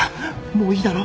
もういいだろ？